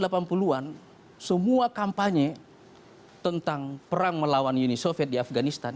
tahun delapan puluh an semua kampanye tentang perang melawan uni soviet di afganistan